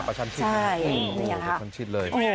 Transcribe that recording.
ประชันชิด